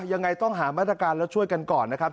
ยังไงต้องหามาตรการแล้วช่วยกันก่อนนะครับ